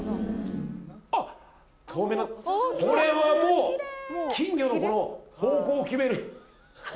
あっ透明なこれはもう金魚のこの方向を決める。